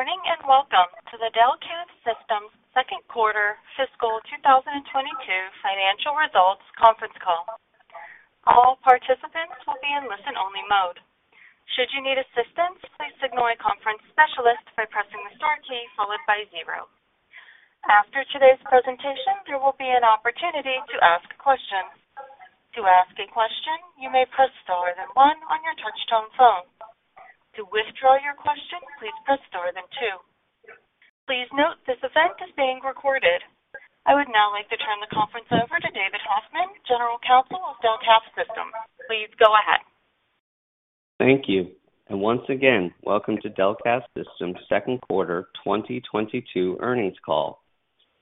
Good morning, and welcome to the Delcath Systems second quarter fiscal 2022 financial results conference call. All participants will be in listen-only mode. Should you need assistance, please signal a conference specialist by pressing the star key followed by zero. After today's presentation, there will be an opportunity to ask questions. To ask a question, you may press star then one on your touch-tone phone. To withdraw your question, please press star then two. Please note this event is being recorded. I would now like to turn the conference over to David Hoffman, General Counsel of Delcath Systems. Please go ahead. Thank you. Once again, welcome to Delcath Systems second quarter 2022 earnings call.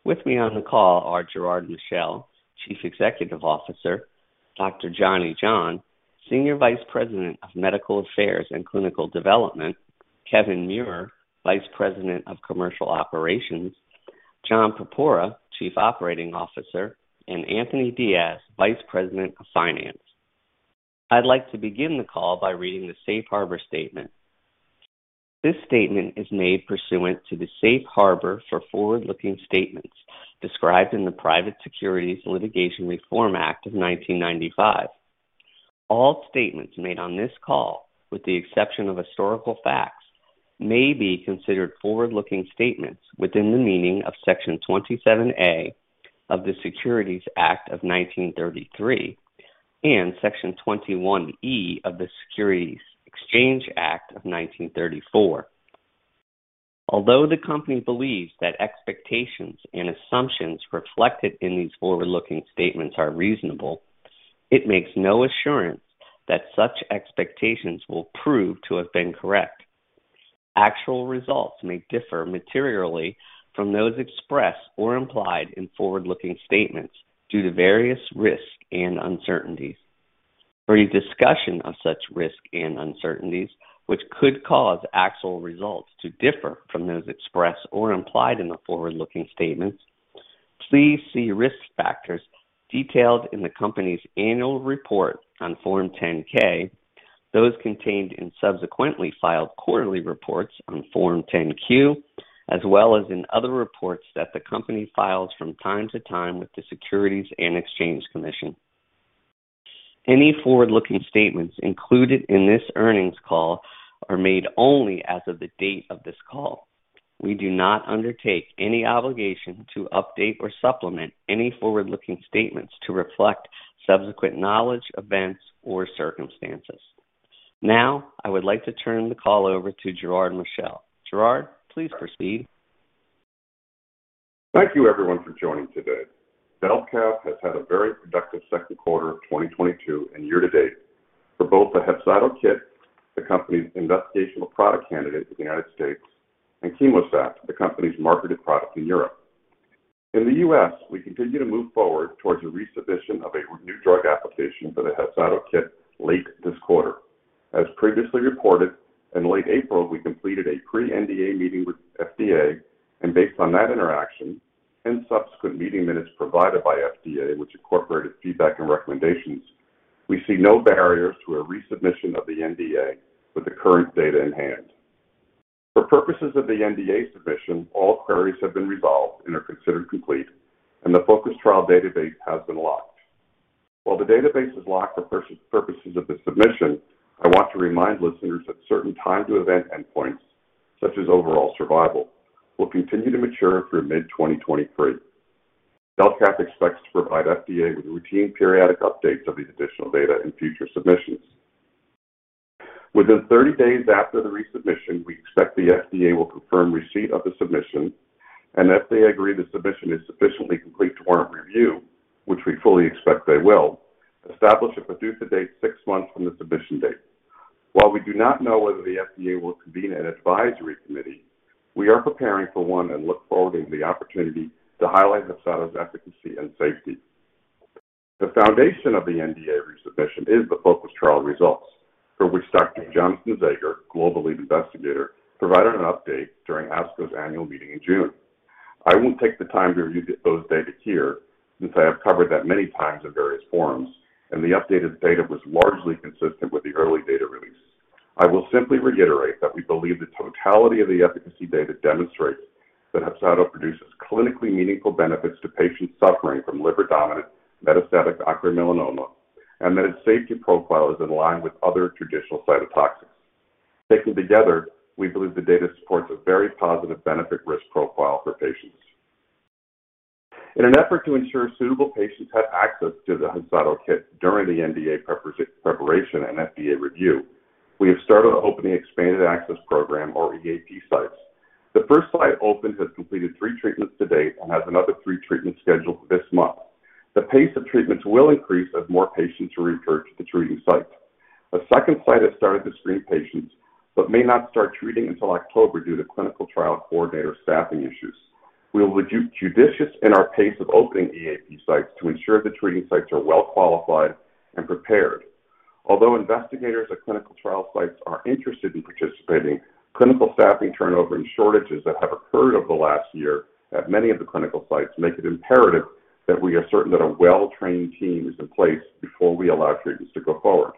With me on the call are Gerard Michel, Chief Executive Officer, Dr. Johnny John, Senior Vice President of Medical Affairs and Clinical Development, Kevin Muir, Vice President of Commercial Operations, John Purpura, Chief Operating Officer, and Anthony Dias, Vice President of Finance. I'd like to begin the call by reading the Safe Harbor statement. This statement is made pursuant to the Safe Harbor for forward-looking statements described in the Private Securities Litigation Reform Act of 1995. All statements made on this call, with the exception of historical facts, may be considered forward-looking statements within the meaning of Section 27A of the Securities Act of 1933 and Section 21E of the Securities Exchange Act of 1934. Although the company believes that expectations and assumptions reflected in these forward-looking statements are reasonable, it makes no assurance that such expectations will prove to have been correct. Actual results may differ materially from those expressed or implied in forward-looking statements due to various risks and uncertainties. For a discussion of such risks and uncertainties, which could cause actual results to differ from those expressed or implied in the forward-looking statements, please see risk factors detailed in the company's annual report on Form 10-K, those contained in subsequently filed quarterly reports on Form 10-Q, as well as in other reports that the company files from time to time with the Securities and Exchange Commission. Any forward-looking statements included in this earnings call are made only as of the date of this call. We do not undertake any obligation to update or supplement any forward-looking statements to reflect subsequent knowledge, events, or circumstances. Now, I would like to turn the call over to Gerard Michel. Gerard, please proceed. Thank you everyone for joining today. Delcath has had a very productive second quarter of 2022 and year to date for both the HEPZATO KIT, the company's investigational product candidate in the United States, and CHEMOSAT, the company's marketed product in Europe. In the U.S., we continue to move forward towards a resubmission of a new drug application for the HEPZATO KIT late this quarter. As previously reported, in late April, we completed a pre-NDA meeting with FDA and based on that interaction and subsequent meeting minutes provided by FDA, which incorporated feedback and recommendations, we see no barriers to a resubmission of the NDA with the current data in hand. For purposes of the NDA submission, all queries have been resolved and are considered complete, and the FOCUS trial database has been locked. While the database is locked for purposes of the submission, I want to remind listeners that certain time to event endpoints, such as overall survival, will continue to mature through mid-2023. Delcath expects to provide FDA with routine periodic updates of these additional data in future submissions. Within 30 days after the resubmission, we expect the FDA will confirm receipt of the submission and if they agree the submission is sufficiently complete to warrant review, which we fully expect they will, establish a PDUFA date six months from the submission date. While we do not know whether the FDA will convene an advisory committee, we are preparing for one and look forward to the opportunity to highlight HEPZATO's efficacy and safety. The foundation of the NDA resubmission is the FOCUS trial results, for which Dr. Jonathan Zager, Global Lead Investigator, provided an update during ASCO's annual meeting in June. I won't take the time to review those data here, since I have covered that many times in various forums, and the updated data was largely consistent with the early data release. I will simply reiterate that we believe the totality of the efficacy data demonstrates that HEPZATO produces clinically meaningful benefits to patients suffering from liver-dominant metastatic uveal melanoma, and that its safety profile is in line with other traditional cytotoxic. Taken together, we believe the data supports a very positive benefit risk profile for patients. In an effort to ensure suitable patients have access to the HEPZATO KIT during the NDA preparation and FDA review, we have started opening expanded access program or EAP sites. The first site opened has completed three treatments to date and has another three treatments scheduled this month. The pace of treatments will increase as more patients return to the treating site. A second site has started to screen patients, but may not start treating until October due to clinical trial coordinator staffing issues. We will be judicious in our pace of opening EAP sites to ensure the treating sites are well qualified and prepared. Although investigators at clinical trial sites are interested in participating, clinical staffing turnover and shortages that have occurred over the last year at many of the clinical sites make it imperative that we are certain that a well-trained team is in place before we allow treatments to go forward.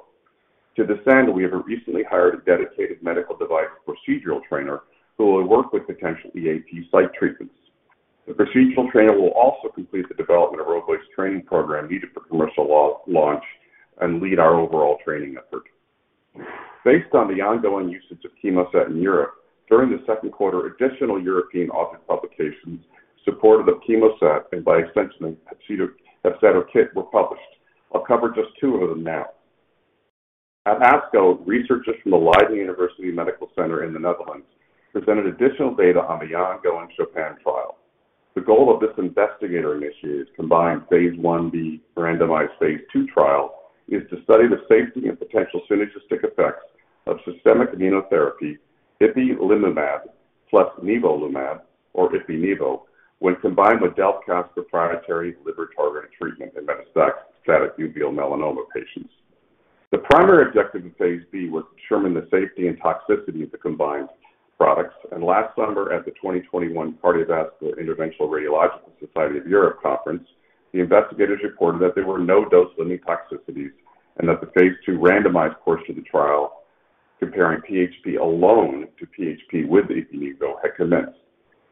To this end, we have recently hired a dedicated medical device procedural trainer who will work with potential EAP site treatments. The procedural trainer will also complete the development of robust training program needed for commercial launch and lead our overall training effort. Based on the ongoing usage of CHEMOSAT in Europe, during the second quarter, additional European audited publications supportive of CHEMOSAT and by extension HEPZATO KIT were published. I'll cover just two of them now. At ASCO, researchers from the Leiden University Medical Center in the Netherlands presented additional data on the ongoing CHOPIN trial. The goal of this investigator-initiated combined phase I-B randomized phase II trial is to study the safety and potential synergistic effects of systemic immunotherapy, ipilimumab plus nivolumab, or ipi/nivo, when combined with Delcath's proprietary liver-targeted treatment in metastatic uveal melanoma patients. The primary objective in phase I-B was determining the safety and toxicity of the combined products, and last summer at the 2021 Cardiovascular and Interventional Radiological Society of Europe conference, the investigators reported that there were no dose-limiting toxicities and that the phase II randomized course of the trial comparing PHP alone to PHP with ipi/nivo had commenced.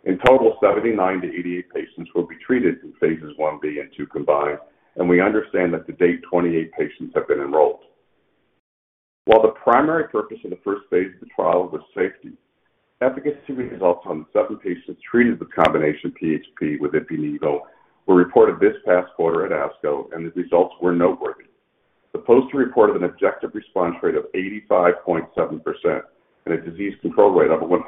In total, 79-88 patients will be treated in phase I-B and phase II combined, and we understand that to date 28 patients have been enrolled. While the primary purpose of the first phase of the trial was safety, efficacy results on the seven patients treated with combination PHP with ipi/nivo were reported this past quarter at ASCO, and the results were noteworthy. The poster reported an objective response rate of 85.7% and a disease control rate of 100%.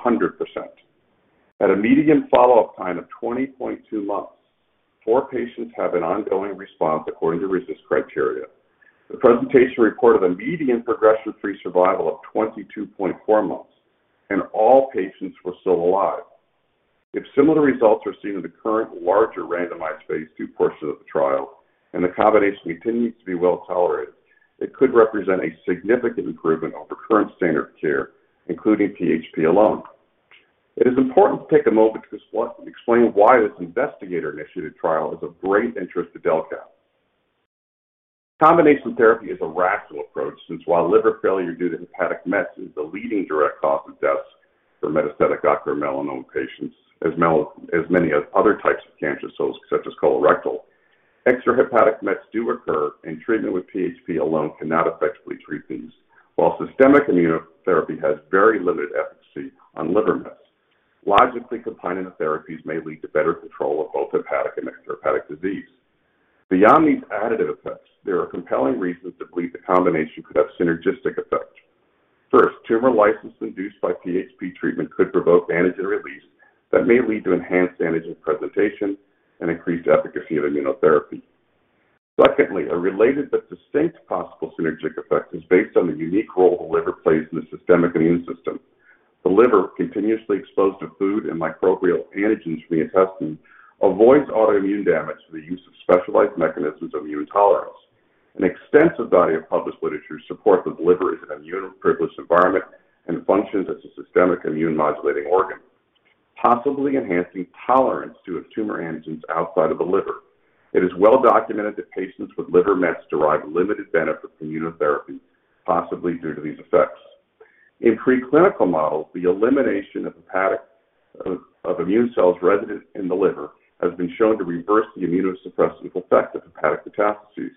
At a median follow-up time of 20.2 months, four patients have an ongoing response according to RECIST criteria. The presentation reported a median progression-free survival of 22.4 months, and all patients were still alive. If similar results are seen in the current larger randomized phase II portion of the trial and the combination continues to be well-tolerated, it could represent a significant improvement over current standard of care, including PHP alone. It is important to take a moment to explain why this investigator-initiated trial is of great interest to Delcath. Combination therapy is a rational approach since while liver failure due to hepatic mets is the leading direct cause of death for metastatic ocular melanoma patients, as well as many other types of cancer cells such as colorectal, extrahepatic mets do occur, and treatment with PHP alone cannot effectively treat these. While systemic immunotherapy has very limited efficacy on liver mets, logically combining the therapies may lead to better control of both hepatic and extrahepatic disease. Beyond these additive effects, there are compelling reasons to believe the combination could have synergistic effects. First, tumor lysis induced by PHP treatment could provoke antigen release that may lead to enhanced antigen presentation and increased efficacy of immunotherapy. Secondly, a related but distinct possible synergistic effect is based on the unique role the liver plays in the systemic immune system. The liver, continuously exposed to food and microbial antigens from the intestine, avoids autoimmune damage through the use of specialized mechanisms of immune tolerance. An extensive body of published literature supports that the liver is an immune-privileged environment and functions as a systemic immune-modulating organ, possibly enhancing tolerance to tumor antigens outside of the liver. It is well documented that patients with liver mets derive limited benefit from immunotherapy, possibly due to these effects. In preclinical models, the elimination of immune cells resident in the liver has been shown to reverse the immunosuppressive effect of hepatic metastases.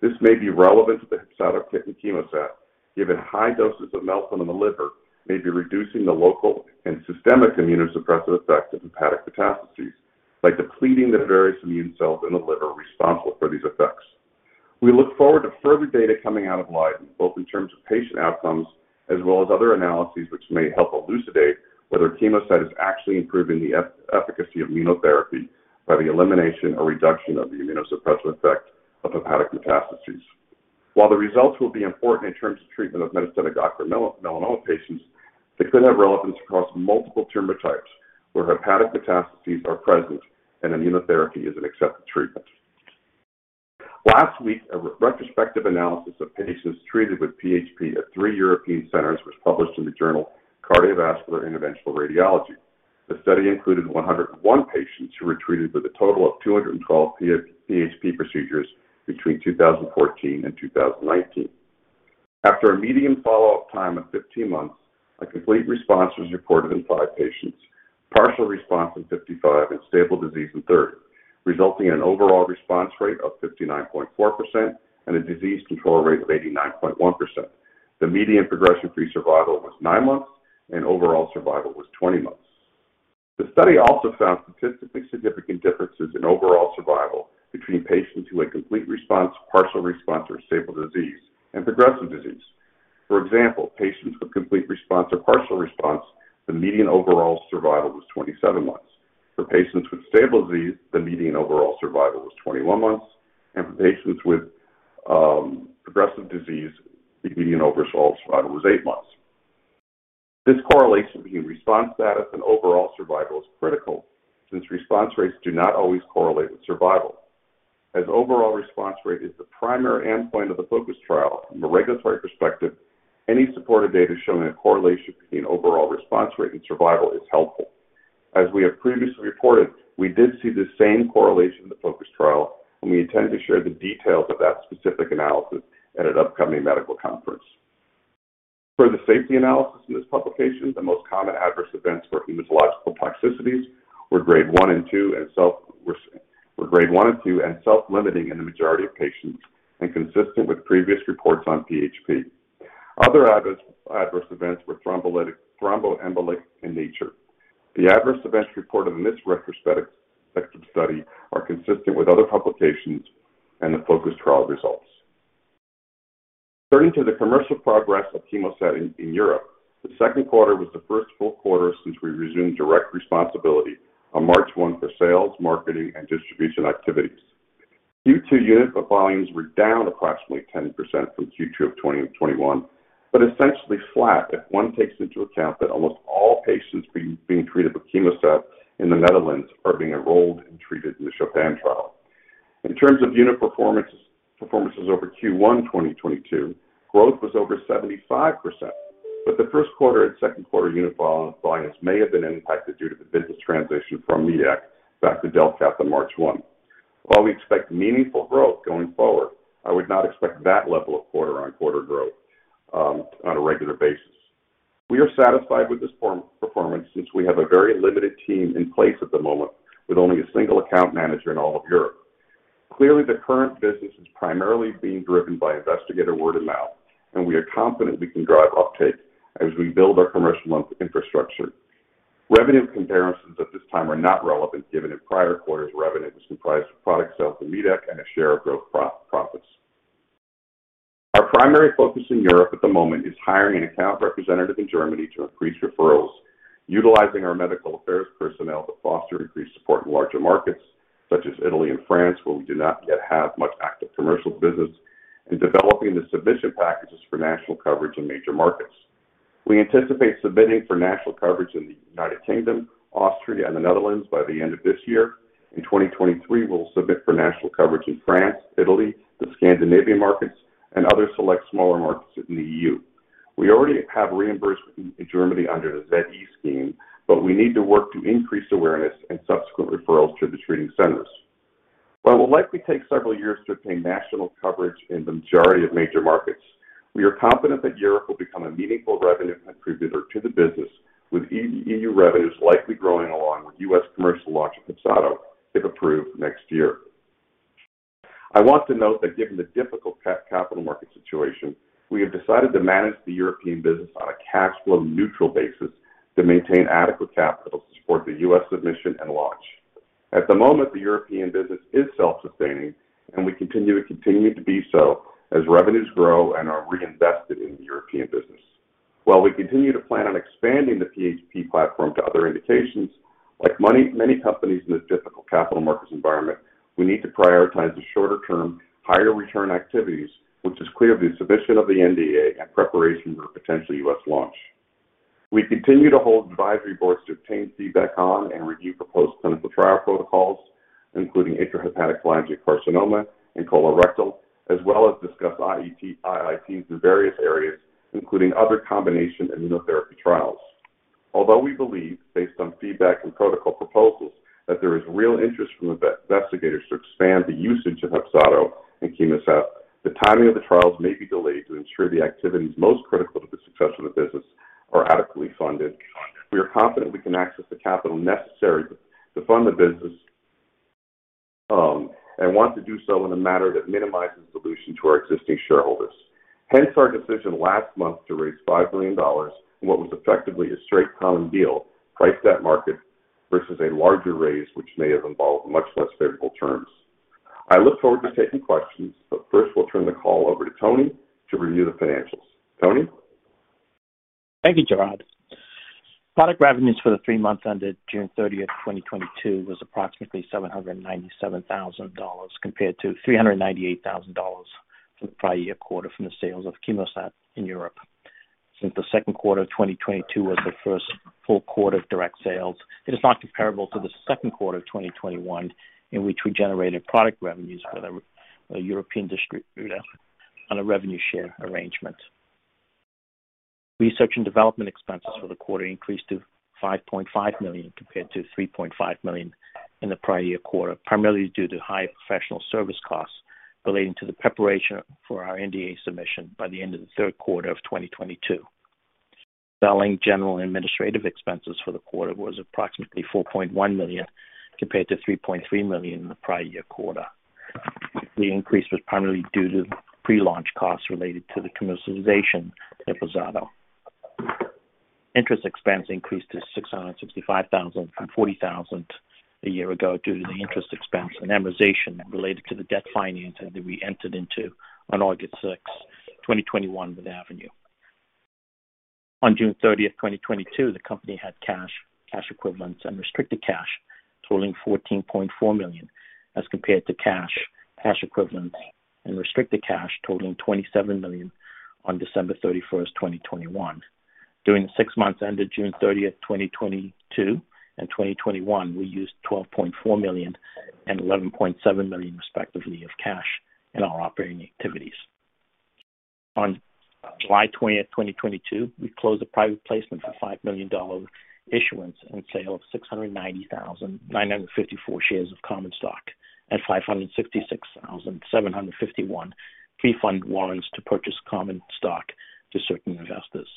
This may be relevant to the HEPZATO KIT and CHEMOSAT, given high doses of melphalan in the liver may be reducing the local and systemic immunosuppressive effect of hepatic metastases by depleting the various immune cells in the liver responsible for these effects. We look forward to further data coming out of Leiden, both in terms of patient outcomes as well as other analyses which may help elucidate whether CHEMOSAT is actually improving the efficacy of immunotherapy by the elimination or reduction of the immunosuppressive effect of hepatic metastases. While the results will be important in terms of treatment of metastatic ocular melanoma patients, they could have relevance across multiple tumor types where hepatic metastases are present and immunotherapy is an accepted treatment. Last week, a retrospective analysis of patients treated with PHP at three European centers was published in the journal Cardiovascular and Interventional Radiology. The study included 101 patients who were treated with a total of 212 PHP procedures between 2014 and 2019. After a median follow-up time of 15 months, a complete response was reported in five patients, partial response in 55, and stable disease in 30, resulting in an overall response rate of 59.4% and a disease control rate of 89.1%. The median progression-free survival was nine months, and overall survival was 20 months. The study also found statistically significant differences in overall survival between patients who had complete response, partial response, or stable disease and progressive disease. For example, patients with complete response or partial response, the median overall survival was 27 months. For patients with stable disease, the median overall survival was 21 months, and for patients with progressive disease, the median overall survival was eight months. This correlation between response status and overall survival is critical since response rates do not always correlate with survival. As overall response rate is the primary endpoint of the FOCUS trial from a regulatory perspective, any supported data showing a correlation between overall response rate and survival is helpful. As we have previously reported, we did see the same correlation in the FOCUS trial, and we intend to share the details of that specific analysis at an upcoming medical conference. For the safety analysis in this publication, the most common adverse events for hematological toxicities were grade one and two and self-limiting in the majority of patients and consistent with previous reports on PHP. Other adverse events were thromboembolic in nature. The adverse events reported in this retrospective study are consistent with other publications and the FOCUS trial results. Turning to the commercial progress of CHEMOSAT in Europe, the second quarter was the first full quarter since we resumed direct responsibility on March 1 for sales, marketing, and distribution activities. Q2 unit volumes were down approximately 10% from Q2 of 2021, but essentially flat if one takes into account that almost all patients being treated with CHEMOSAT in the Netherlands are being enrolled and treated in the CHOPIN trial. In terms of unit performance over Q1 2022, growth was over 75%, but the first quarter and second quarter unit volumes may have been impacted due to the business transition from Medac back to Delcath on March 1. While we expect meaningful growth going forward, I would not expect that level of quarter-on-quarter growth on a regular basis. We are satisfied with this performance since we have a very limited team in place at the moment with only a single account manager in all of Europe. Clearly, the current business is primarily being driven by investigator word of mouth, and we are confident we can drive uptake as we build our commercial infrastructure. Revenue comparisons at this time are not relevant given that prior quarters revenue was comprised of product sales from Medac and a share of gross profits. Our primary focus in Europe at the moment is hiring an account representative in Germany to increase referrals, utilizing our medical affairs personnel to foster increased support in larger markets such as Italy and France, where we do not yet have much active commercial business, and developing the submission packages for national coverage in major markets. We anticipate submitting for national coverage in the United Kingdom, Austria, and the Netherlands by the end of this year. In 2023, we'll submit for national coverage in France, Italy, the Scandinavian markets, and other select smaller markets in the EU. We already have reimbursement in Germany under the ZE scheme, but we need to work to increase awareness and subsequent referrals to the treating centers. While it will likely take several years to obtain national coverage in the majority of major markets, we are confident that Europe will become a meaningful revenue contributor to the business, with EU revenues likely growing along with U.S. commercial launch of HEPZATO, if approved next year. I want to note that given the difficult capital market situation, we have decided to manage the European business on a cash flow neutral basis to maintain adequate capital to support the U.S. submission and launch. At the moment, the European business is self-sustaining and will continue to be so as revenues grow and are reinvested in the European business. While we continue to plan on expanding the PHP platform to other indications, like many companies in this difficult capital markets environment, we need to prioritize the shorter term, higher return activities, which is clearly the submission of the NDA and preparation for potential U.S. launch. We continue to hold advisory boards to obtain feedback on and review proposed clinical trial protocols, including intrahepatic cholangiocarcinoma and colorectal, as well as discuss IITs in various areas, including other combination immunotherapy trials. Although we believe based on feedback and protocol proposals that there is real interest from investigators to expand the usage of HEPZATO and CHEMOSAT, the timing of the trials may be delayed to ensure the activities most critical to the success of the business are adequately funded. We are confident we can access the capital necessary to fund the business and want to do so in a manner that minimizes dilution to our existing shareholders. Hence our decision last month to raise $5 million in what was effectively a straight common deal priced at market versus a larger raise which may have involved much less favorable terms. I look forward to taking questions, but first we'll turn the call over to Tony to review the financials. Tony? Thank you, Gerard. Product revenues for the three months ended June 30, 2022 was approximately $797,000 compared to $398,000 for the prior year quarter from the sales of CHEMOSAT in Europe. Since the second quarter of 2022 was the first full quarter of direct sales, it is not comparable to the second quarter of 2021 in which we generated product revenues for the European distributor on a revenue share arrangement. Research and development expenses for the quarter increased to $5.5 million compared to $3.5 million in the prior year quarter, primarily due to higher professional service costs relating to the preparation for our NDA submission by the end of the third quarter of 2022. Selling general and administrative expenses for the quarter was approximately $4.1 million compared to $3.3 million in the prior year quarter. The increase was primarily due to pre-launch costs related to the commercialization of HEPZATO. Interest expense increased to $665 thousand from $40 thousand a year ago due to the interest expense and amortization related to the debt financing that we entered into on August 6, 2021 with Avenue. On June 30, 2022, the company had cash equivalents, and restricted cash totaling $14.4 million as compared to cash equivalents, and restricted cash totaling $27 million on December 31, 2021. During the six months ended June 30, 2022 and 2021, we used $12.4 million and $11.7 million, respectively, of cash in our operating activities. On July 20, 2022, we closed a private placement for $5 million issuance and sale of 690,954 shares of common stock and 566,751 pre-funded warrants to purchase common stock to certain investors.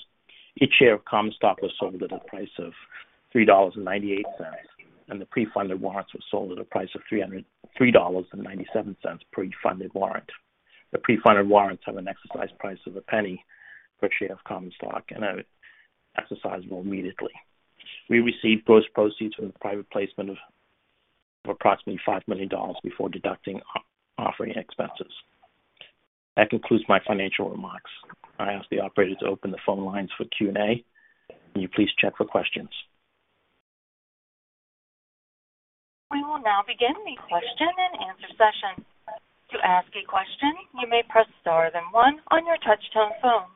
Each share of common stock was sold at a price of $3.98, and the pre-funded warrants were sold at a price of $3.97 per pre-funded warrant. The pre-funded warrants have an exercise price of the penny per share of common stock and are exercisable immediately. We received gross proceeds from the private placement of approximately $5 million before deducting offering expenses. That concludes my financial remarks. I ask the operator to open the phone lines for Q&A. Can you please check for questions? We will now begin the question-and-answer session. To ask a question, you may press star then one on your touchtone phone.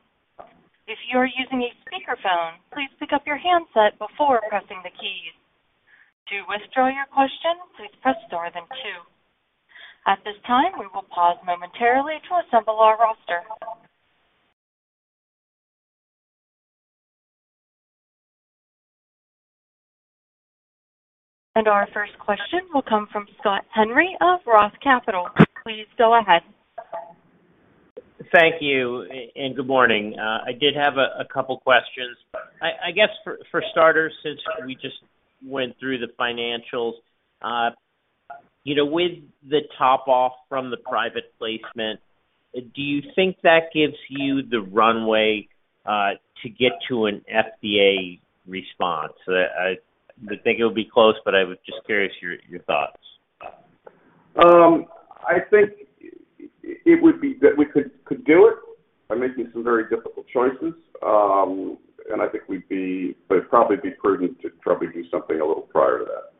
If you are using a speakerphone, please pick up your handset before pressing the keys. To withdraw your question, please press star then two. At this time, we will pause momentarily to assemble our roster. Our first question will come from Scott Henry of Roth Capital. Please go ahead. Thank you and good morning. I did have a couple questions. I guess for starters, since we just went through the financials, you know, with the top off from the private placement, do you think that gives you the runway to get to an FDA response? I think it'll be close, but I was just curious your thoughts. I think it would be that we could do it by making some very difficult choices. It'd probably be prudent to probably do something a little prior to that.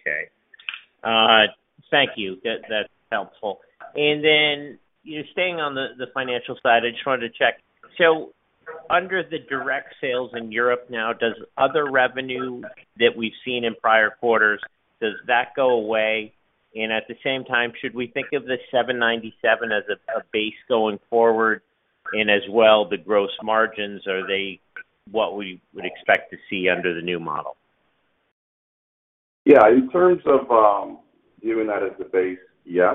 Okay. Thank you. That's helpful. You know, staying on the financial side, I just wanted to check. Under the direct sales in Europe now, does other revenue that we've seen in prior quarters go away? At the same time, should we think of the $797 as a base going forward? As well, the gross margins, are they what we would expect to see under the new model? In terms of viewing that as a base, yes.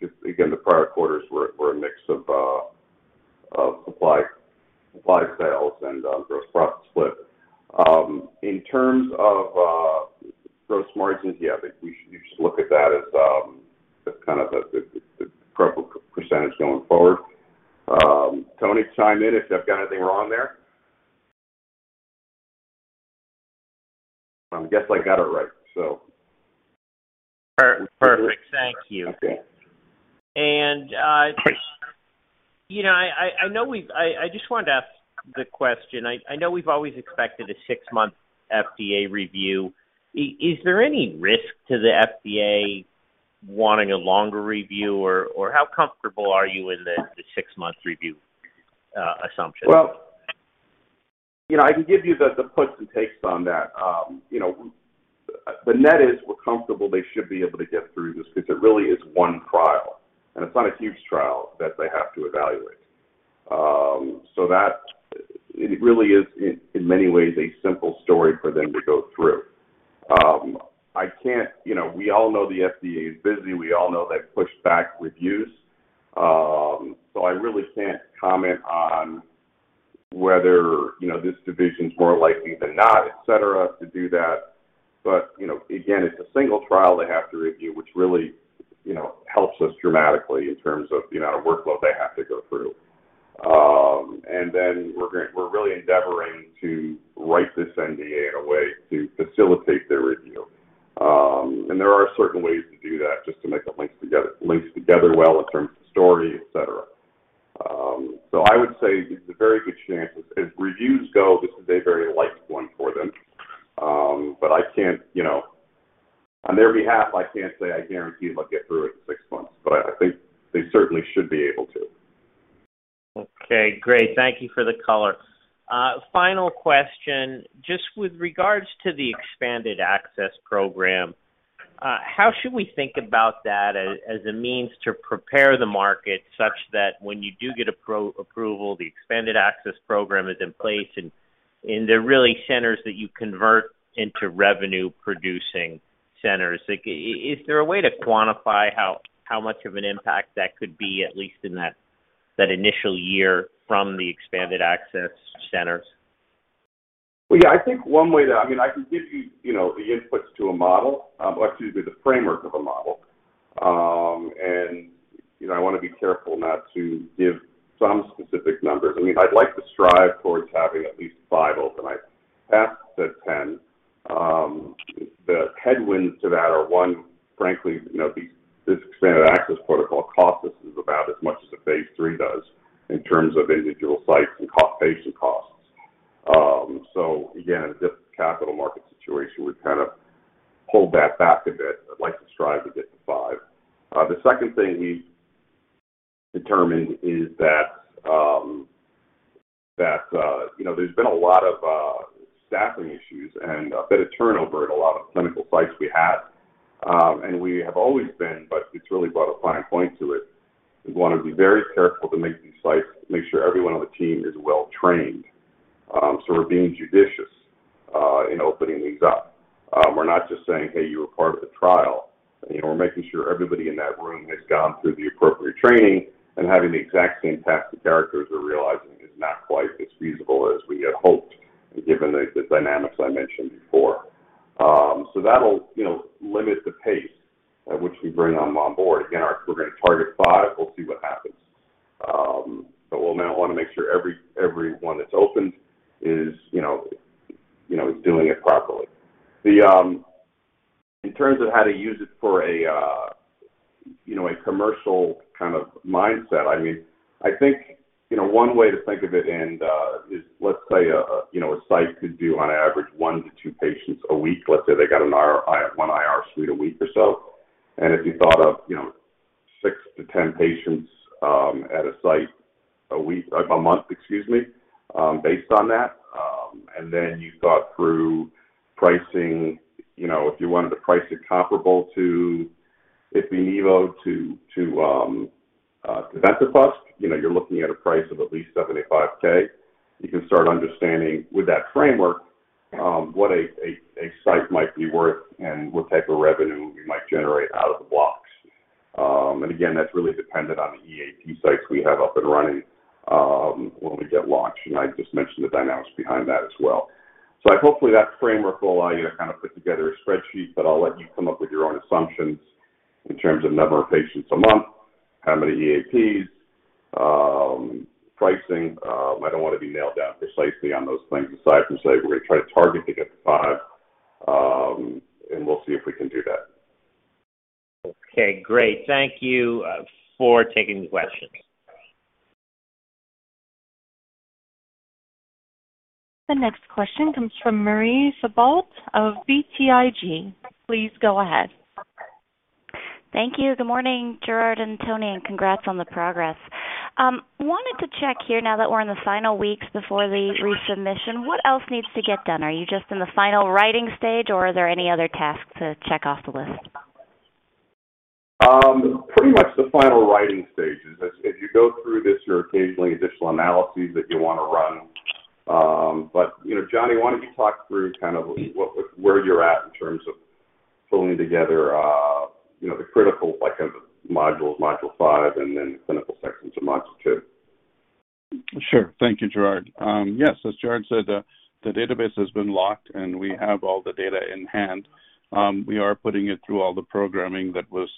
Just again, the prior quarters were a mix of supply sales and gross profit split. In terms of gross margins, yeah, I think you should look at that as kind of the appropriate percentage going forward. Anthony, chime in if I've got anything wrong there. Guess I got it right. Perfect. Thank you. Okay. You know, I know we've always expected a six-month FDA review. Is there any risk to the FDA wanting a longer review? Or how comfortable are you in the six-month review assumption? Well, you know, I can give you the puts and takes on that. You know, the net is we're comfortable they should be able to get through this because it really is one trial, and it's not a huge trial that they have to evaluate. It really is in many ways a simple story for them to go through. I can't, you know, we all know the FDA is busy. We all know they've pushed back reviews. I really can't comment on whether, you know, this division is more likely than not, et cetera, to do that. Again, you know, it's a single trial they have to review, which really, you know, helps us dramatically in terms of the amount of workload they have to go through. We're really endeavoring to write this NDA in a way to facilitate their review. There are certain ways to do that just to make the links together well in terms of story, et cetera. I would say there's a very good chance. As reviews go, this is a very light one for them. I can't, you know, on their behalf, I can't say I guarantee them I'll get through it in six months, but I think they certainly should be able to. Okay, great. Thank you for the color. Final question. Just with regards to the expanded access program, how should we think about that as a means to prepare the market such that when you do get approval, the expanded access program is in place and they're really centers that you convert into revenue producing centers? Is there a way to quantify how much of an impact that could be, at least in that initial year from the expanded access centers? I think one way I mean, I can give you know, the inputs to a model, or excuse me, the framework of a model. You know, I wanna be careful not to give some specific numbers. I mean, I'd like to strive towards having at least five open. I've asked at 10. The headwinds to that are, one, frankly, you know, this expanded access protocol costs us about as much as a phase III does in terms of individual sites and per-patient costs. Again, this capital market situation would kind of hold that back a bit. I'd like to strive to get to five. The second thing we determined is that, you know, there's been a lot of staffing issues and a bit of turnover at a lot of clinical sites we had. We have always been, but it's really brought a fine point to it. We wanna be very careful to make these sites, make sure everyone on the team is well trained. We're being judicious in opening these up. We're not just saying, "Hey, you were part of the trial." You know, we're making sure everybody in that room has gone through the appropriate training. Having the exact same cast of characters, we're realizing is not quite as feasible as we had hoped, given the dynamics I mentioned before. That'll, you know, limit the pace at which we bring them on board. Again, we're gonna target five. We'll see what happens. We'll now wanna make sure everyone that's opened is, you know, is doing it properly. The... In terms of how to use it for a commercial kind of mindset, I mean, I think, you know, one way to think of it and is let's say a site could do on average 1-2 patients a week. Let's say they got an IR suite a week or so. If you thought of, you know, 6-10 patients at a site a month, excuse me, based on that, and then you thought through pricing, you know, if you wanted to price it comparable to ipi/nivo to tebentafusp, you know, you're looking at a price of at least $75,000. You can start understanding with that framework, what a site might be worth and what type of revenue we might generate out of the blocks. Again, that's really dependent on the EAP sites we have up and running, when we get launched, and I just mentioned the dynamics behind that as well. Hopefully that framework will allow you to kinda put together a spreadsheet, but I'll let you come up with your own assumptions in terms of number of patients a month, how many EAPs, pricing. I don't wanna be nailed down precisely on those things besides from saying we're gonna try to target to get to five, and we'll see if we can do that. Okay, great. Thank you for taking the questions. The next question comes from Marie Thibault of BTIG. Please go ahead. Thank you. Good morning, Gerard and Tony, and congrats on the progress. Wanted to check here now that we're in the final weeks before the resubmission, what else needs to get done? Are you just in the final writing stage, or are there any other tasks to check off the list? Pretty much the final writing stages. As you go through this, there are occasionally additional analyses that you wanna run. You know, Johnny, why don't you talk through kind of where you're at in terms of pulling together, you know, the critical like of modules, module five and then clinical sections of module two. Sure. Thank you, Gerard. Yes, as Gerard said, the database has been locked, and we have all the data in hand. We are putting it through all the programming that was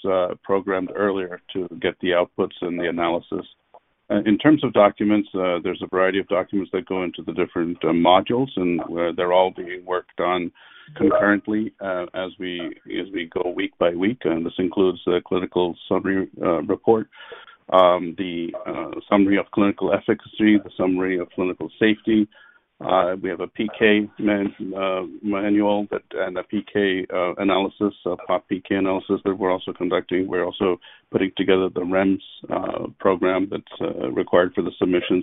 programmed earlier to get the outputs and the analysis. In terms of documents, there's a variety of documents that go into the different modules, and they're all being worked on concurrently, as we go week by week, and this includes the clinical summary report, the summary of clinical efficacy, the summary of clinical safety. We have a PK manual and a PK analysis, a pop PK analysis that we're also conducting. We're also putting together the REMS program that's required for the submission.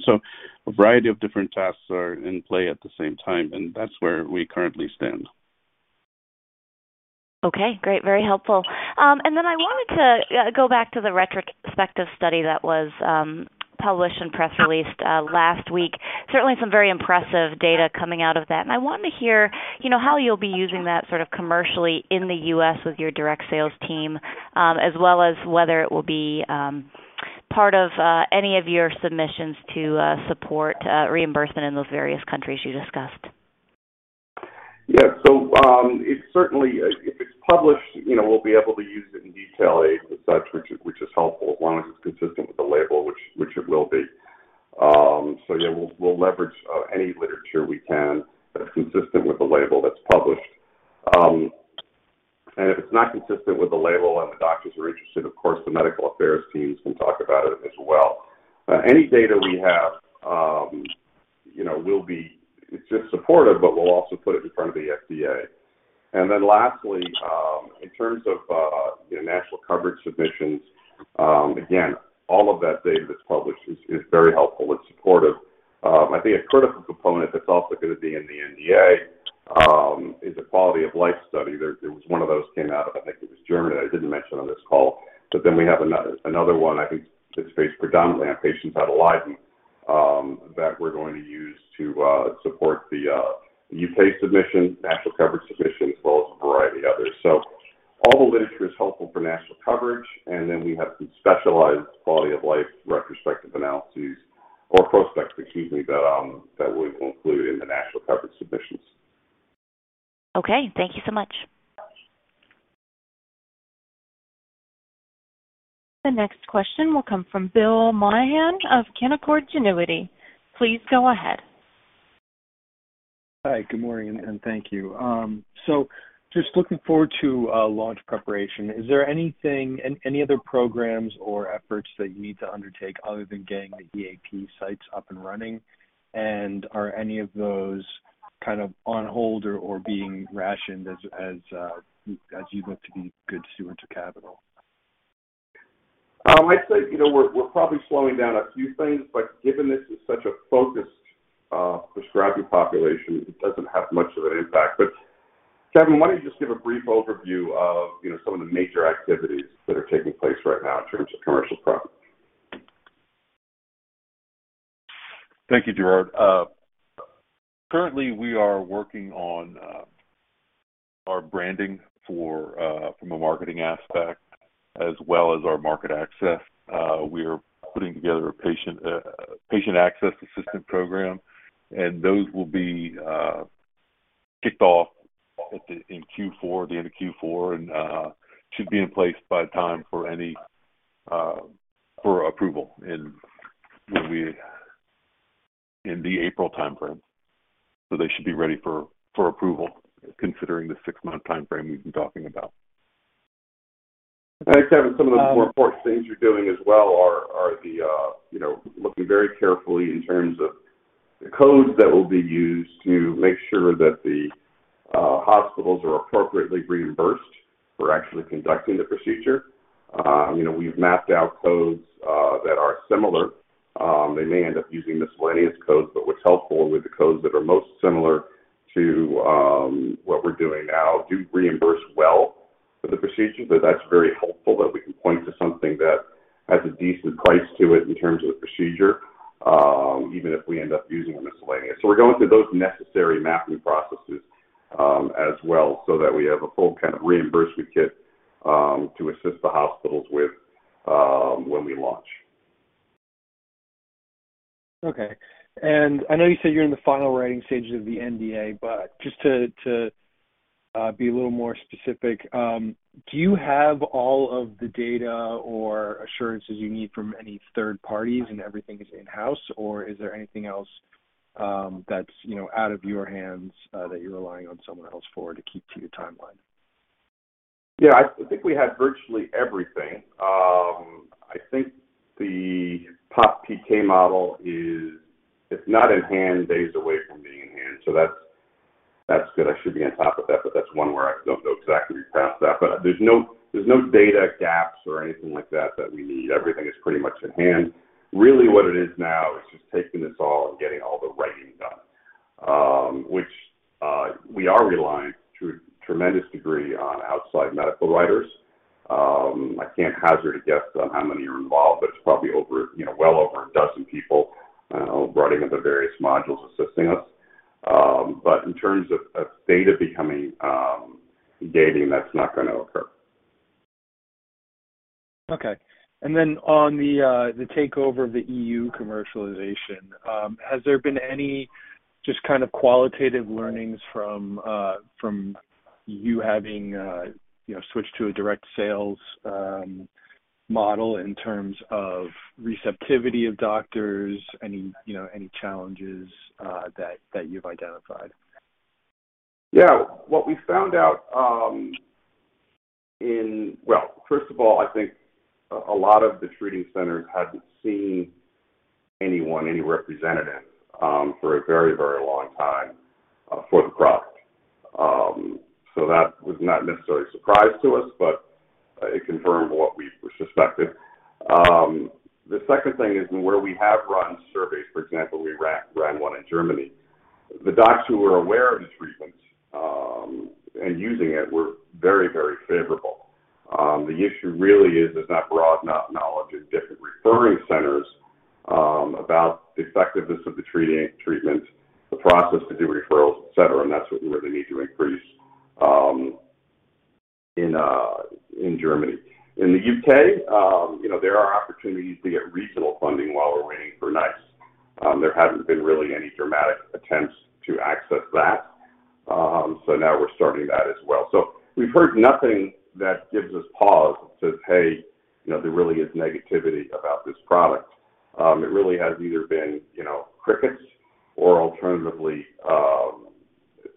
A variety of different tasks are in play at the same time, and that's where we currently stand. Okay, great. Very helpful. I wanted to go back to the retrospective study that was published and press released last week. Certainly, some very impressive data coming out of that. I wanted to hear, you know, how you'll be using that sort of commercially in the U.S. with your direct sales team, as well as whether it will be part of any of your submissions to support reimbursement in those various countries you discussed. Yeah. It's certainly if it's published, you know, we'll be able to use it in detailing aid and such, which is helpful as long as it's consistent with the label, which it will be. Yeah, we'll leverage any literature we can that's consistent with the label that's published. If it's not consistent with the label and the doctors are interested, of course, the medical affairs teams can talk about it as well. Any data we have, you know, will be. It's just supportive, but we'll also put it in front of the FDA. Then lastly, in terms of, you know, national coverage submissions, again, all of that data that's published is very helpful. It's supportive. I think a critical component that's also gonna be in the NDA is a quality-of-life study. There was one of those came out of, I think it was Germany. I didn't mention on this call. We have another one I think that's based predominantly on patients out of Leiden that we're going to use to support the U.K. submission, national coverage submission, as well as a variety of others. All the literature is helpful for national coverage, and then we have some specialized quality of life retrospective analyses or prospective that we will include in the national coverage submissions. Okay, thank you so much. The next question will come from Bill Maughan of Canaccord Genuity. Please go ahead. Hi. Good morning and thank you. So just looking forward to launch preparation, is there anything, any other programs or efforts that you need to undertake other than getting the EAP sites up and running? Are any of those kind of on hold or being rationed as you look to be good steward of capital? I'd say, you know, we're probably slowing down a few things, but given this is such a focused, prescribing population, it doesn't have much of an impact. Kevin, why don't you just give a brief overview of, you know, some of the major activities that are taking place right now in terms of commercial products? Thank you, Gerard. Currently, we are working on our branding from a marketing aspect as well as our market access. We are putting together a patient access assistant program, and those will be kicked off in Q4, the end of Q4, and should be in place by the time for any approval in what will be in the April timeframe. They should be ready for approval considering the six-month timeframe we've been talking about. Kevin, some of the more important things you're doing as well are looking very carefully in terms of the codes that will be used to make sure that the hospitals are appropriately reimbursed for actually conducting the procedure. We've mapped out codes that are similar. They may end up using miscellaneous codes, but what's helpful with the codes that are most similar to what we're doing now do reimburse well for the procedure. That's very helpful that we can point to something that has a decent price to it in terms of the procedure, even if we end up using a miscellaneous. We're going through those necessary mapping processes as well so that we have a full kind of reimbursement kit to assist the hospitals with when we launch. Okay. I know you said you're in the final writing stages of the NDA, but just to be a little more specific, do you have all of the data or assurances you need from any third parties and everything is in-house, or is there anything else that's, you know, out of your hands that you're relying on someone else for to keep to your timeline? Yeah. I think we have virtually everything. I think the pop PK model is, if not in hand, days away from being in hand. That's good. I should be on top of that, but that's one where I don't know exactly past that. There's no data gaps or anything like that that we need. Everything is pretty much in hand. Really what it is now is just taking this all and getting all the writing done, which we are relying to a tremendous degree on outside medical writers. I can't hazard a guess on how many are involved, but it's probably over, you know, well over a dozen people writing of the various modules assisting us. But in terms of data becoming outdated, that's not gonna occur. Okay. On the takeover of the EU commercialization, has there been any just kind of qualitative learnings from you having you know switched to a direct sales model in terms of receptivity of doctors, any you know any challenges that you've identified? Yeah. What we found out. Well, first of all, I think a lot of the treating centers hadn't seen anyone, any representative, for a very, very long time, for the product. That was not necessarily a surprise to us, but it confirmed what we suspected. The second thing is where we have run surveys, for example, we ran one in Germany. The docs who were aware of this treatment and using it were very, very favorable. The issue really is that broad enough knowledge in different referring centers, about the effectiveness of the treatment, the process to do referrals, et cetera, and that's what we really need to increase, in Germany. In the U.K., you know, there are opportunities to get regional funding while we're waiting for NICE. There hasn't been really any dramatic attempts to access that. Now we're starting that as well. We've heard nothing that gives us pause and says, "Hey, you know, there really is negativity about this product." It really has either been, you know, crickets or alternatively,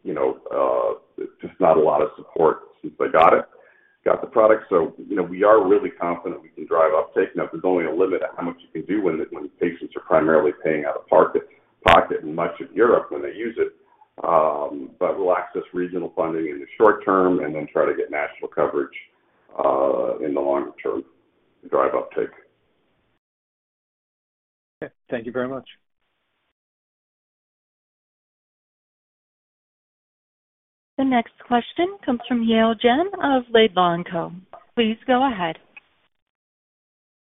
you know, just not a lot of support since I got the product. You know, we are really confident we can drive uptake. Now, there's only a limit at how much you can do when patients are primarily paying out-of-pocket in much of Europe when they use it. We'll access regional funding in the short term and then try to get national coverage in the longer term to drive uptake. Okay. Thank you very much. The next question comes from Yale Jen of Laidlaw & Company. Please go ahead.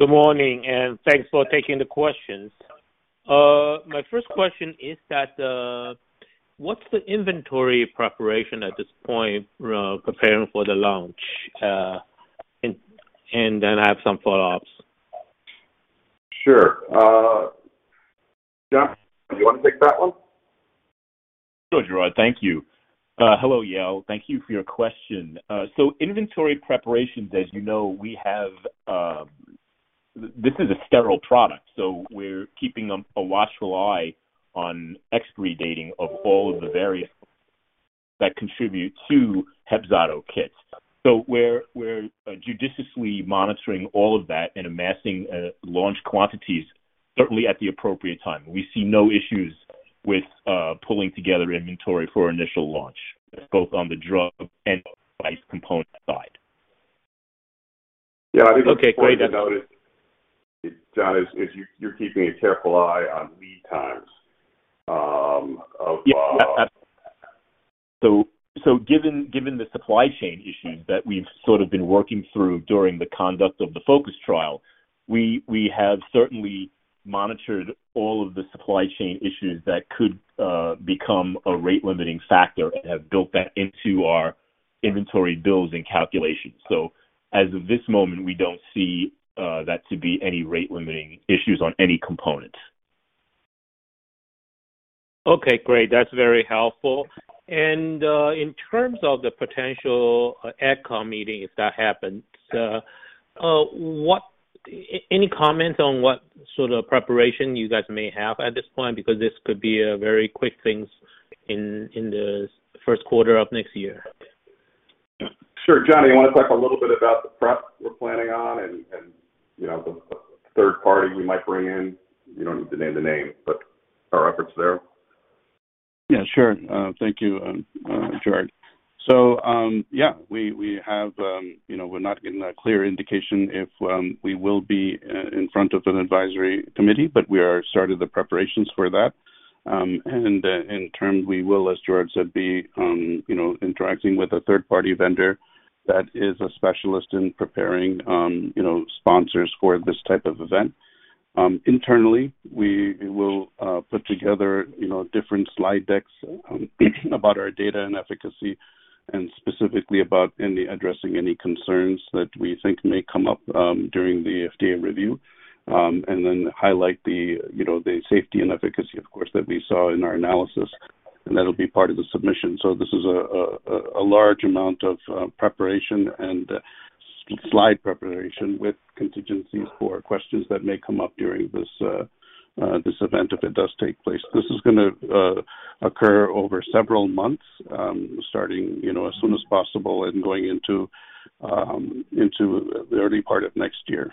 Good morning, and thanks for taking the questions. My first question is that, what's the inventory preparation at this point, preparing for the launch? Then I have some follow-ups. Sure. John, do you wanna take that one? Sure, Gerard. Thank you. Hello, Yale. Thank you for your question. So inventory preparations, as you know, we have this is a sterile product, so we're keeping a watchful eye on expiry dating of all of the various That contribute to HEPZATO kits. We're judiciously monitoring all of that and amassing launch quantities certainly at the appropriate time. We see no issues with pulling together inventory for initial launch, both on the drug and device component side. Yeah. I think it's important to note, John, is you're keeping a careful eye on lead times. Given the supply chain issues that we've sort of been working through during the conduct of the FOCUS trial, we have certainly monitored all of the supply chain issues that could become a rate limiting factor and have built that into our inventory builds and calculations. As of this moment, we don't see that to be any rate limiting issues on any component. Okay, great. That's very helpful. In terms of the potential AdCom meeting, if that happens, any comments on what sort of preparation you guys may have at this point? Because this could be a very quick things in the first quarter of next year. Sure. Johnny, you want to talk a little bit about the prep we're planning on and, you know, the third party we might bring in? You don't need to name the name, but our efforts there. Yeah, sure. Thank you, Gerard. We have you know we're not getting a clear indication if we will be in front of an advisory committee, but we have started the preparations for that. In terms, we will, as Gerard said, be you know interacting with a third-party vendor that is a specialist in preparing you know sponsors for this type of event. Internally, we will put together you know different slide decks about our data and efficacy and specifically about addressing any concerns that we think may come up during the FDA review. Highlight the you know the safety and efficacy of course that we saw in our analysis and that'll be part of the submission. This is a large amount of preparation and slide preparation with contingencies for questions that may come up during this event if it does take place. This is gonna occur over several months, starting, you know, as soon as possible and going into the early part of next year.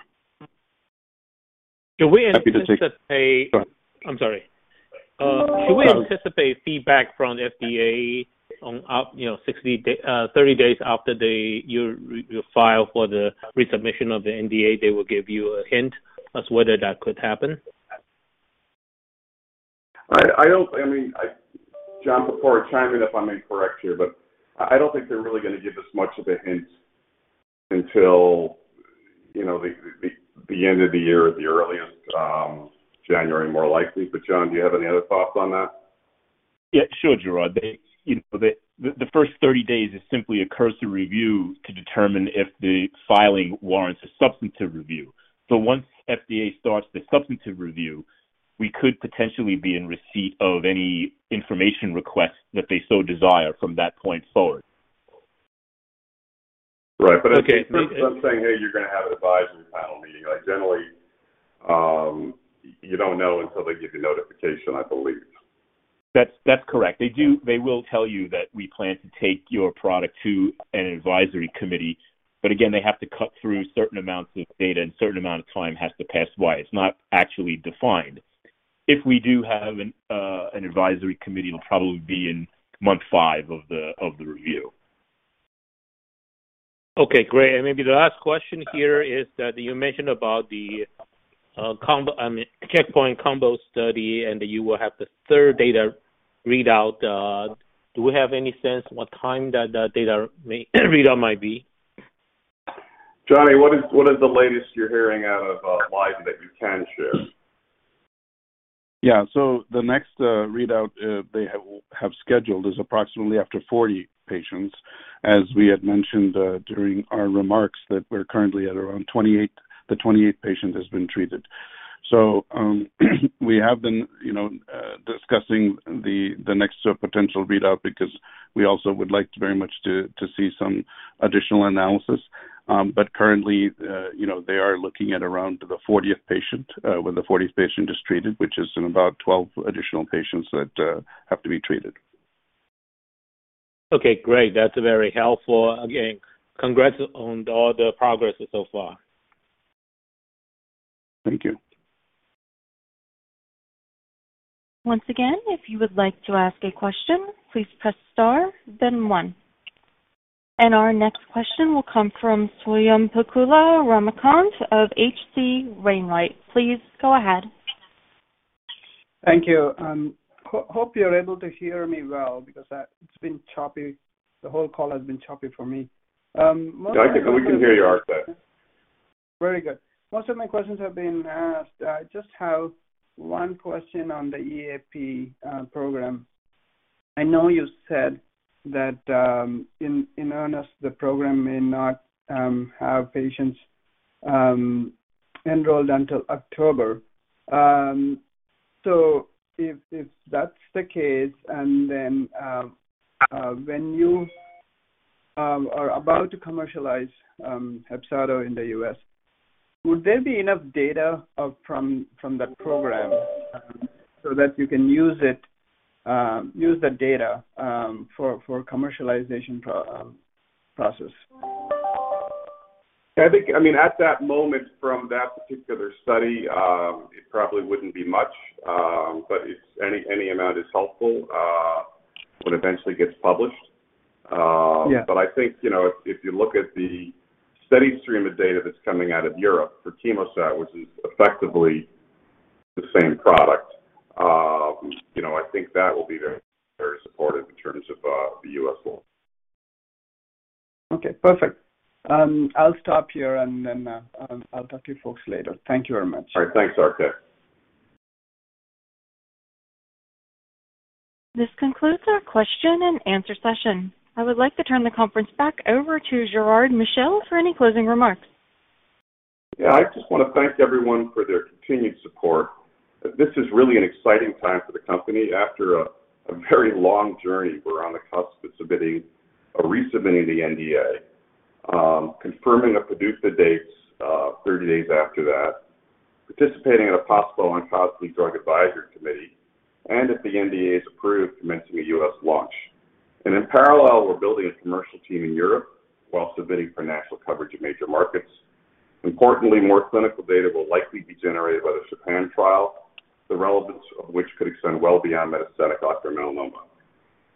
Can we anticipate? Happy to take. Go on. I'm sorry. Can we anticipate feedback from FDA upon, you know, 60-day, 30 days after you file for the resubmission of the NDA? They will give you a hint as to whether that could happen? I don't. I mean, John, before chiming in, if I'm incorrect here, but I don't think they're really gonna give us much of a hint until, you know, the end of the year at the earliest, January more likely. John, do you have any other thoughts on that? Yeah, sure, Gerard. They, you know, the first 30 days is simply a cursory review to determine if the filing warrants a substantive review. Once FDA starts the substantive review, we could potentially be in receipt of any information request that they so desire from that point forward. Right. I'm saying, hey, you're gonna have an advisory panel meeting. Like, generally, you don't know until they give you notification, I believe. That's correct. They will tell you that we plan to take your product to an advisory committee, but again, they have to cut through certain amounts of data, and a certain amount of time has to pass by. It's not actually defined. If we do have an advisory committee, it'll probably be in month five of the review. Okay, great. Maybe the last question here is that you mentioned about the checkpoint combo study, and you will have the third data readout. Do we have any sense what time that data readout might be? Johnny, what is the latest you're hearing out of Leiden that you can share? Yeah. The next readout they have scheduled is approximately after 40 patients. As we had mentioned during our remarks that we're currently at around 28. The 28th patient has been treated. We have been, you know, discussing the next potential readout because we also would like very much to see some additional analysis. Currently, you know, they are looking at around the 40th patient when the 40th patient is treated, which is in about 12 additional patients that have to be treated. Okay, great. That's very helpful. Again, congrats on all the progress so far. Thank you. Once again, if you would like to ask a question, please press star, then one. Our next question will come from Swayampakula Ramakanth of H.C. Wainwright. Please go ahead. Thank you. Hope you're able to hear me well because it's been choppy. The whole call has been choppy for me. Most of my- Yeah, I can. We can hear you, Arkay. Very good. Most of my questions have been asked. I just have one question on the EAP program. I know you said that in earnest the program may not have patients enrolled until October. If that's the case, when you are about to commercialize HEPZATO in the U.S., would there be enough data from that program so that you can use it, use the data, for commercialization process? I think, I mean, at that moment from that particular study, it probably wouldn't be much, but any amount is helpful, when it eventually gets published. Yeah. I think, you know, if you look at the steady stream of data that's coming out of Europe for CHEMOSAT, which is effectively the same product, you know, I think that will be very, very supportive in terms of the U.S. rollout. Okay, perfect. I'll stop here and then, I'll talk to you folks later. Thank you very much. All right. Thanks, Arkay. This concludes our question and answer session. I would like to turn the conference back over to Gerard Michel for any closing remarks. Yeah. I just wanna thank everyone for their continued support. This is really an exciting time for the company. After a very long journey, we're on the cusp of submitting or resubmitting the NDA, confirming the PDUFA dates, 30 days after that, participating in a possible Oncologic Drugs Advisory Committee, and if the NDA is approved, commencing a U.S. launch. In parallel, we're building a commercial team in Europe while submitting for national coverage in major markets. Importantly, more clinical data will likely be generated by the CHOPIN trial, the relevance of which could extend well beyond metastatic ocular melanoma.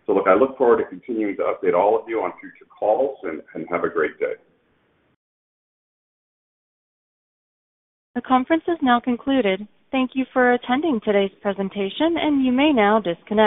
Look, I look forward to continuing to update all of you on future calls and have a great day. The conference is now concluded. Thank you for attending today's presentation, and you may now disconnect.